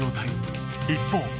一方